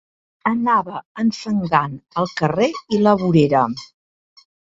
Anava enfangant el carrer i la vorera